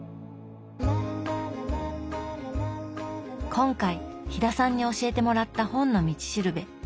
今回飛田さんに教えてもらった「本の道しるべ」。